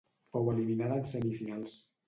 Fou eliminada en semifinals.